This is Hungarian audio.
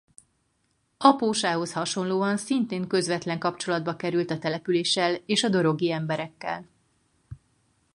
Apósához hasonlóan szintén közvetlen kapcsolatba került a településsel és a dorogi emberekkel.